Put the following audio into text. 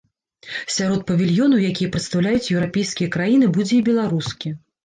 Сярод павільёнаў, якія прадстаўляюць еўрапейскія краіны, будзе і беларускі.